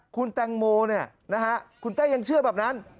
คุณแตงโมคุณเต้ยังเชื่อแบบนั้น